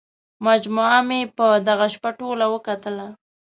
مجموعه مې په دغه شپه ټوله وکتله.